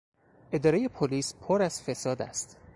ادارهی پلیس پر از فساد است.